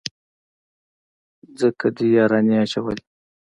ځکه دې يارانې اچولي.